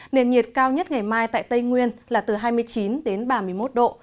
nền nhiệt cao nhất ngày mai tại tây nguyên là từ hai mươi chín đến ba mươi một độ